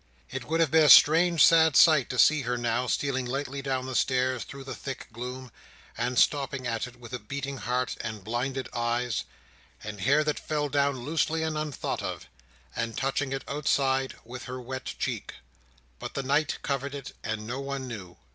It would have been a strange sad sight, to see her now, stealing lightly down the stairs through the thick gloom, and stopping at it with a beating heart, and blinded eyes, and hair that fell down loosely and unthought of; and touching it outside with her wet cheek. But the night covered it, and no one knew.